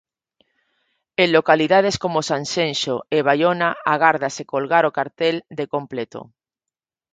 En localidades como Sanxenxo e Baiona agárdase colgar o cartel de completo.